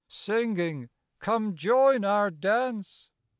Singing: "Come join our dance!